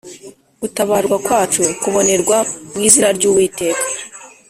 Gutabarwa kwacu kubonerwa mu izina ry uwiteka